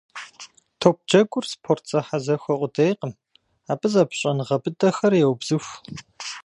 Топджэгур спорт зэхьэзэхуэ къудейкъым, абы зэпыщӏэныгъэ быдэхэр еубзыху.